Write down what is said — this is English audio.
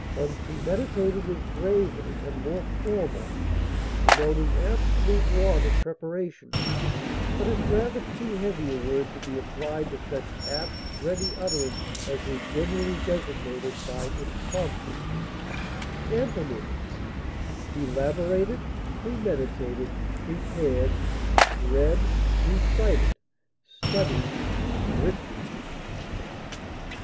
Unpremeditated is graver and more formal, denoting absolute want of preparation, but is rather too heavy a word to be applied to such apt, ready utterance as is generally designated by impromptu. Antonyms: elaborated, premeditated, prepared, read, recited, studied, written.